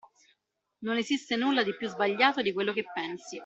Non esiste nulla di più sbagliato di quello che pensi.